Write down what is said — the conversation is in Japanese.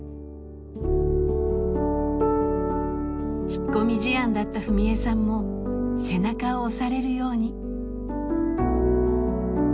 引っ込み思案だった史恵さんも背中を押されるように。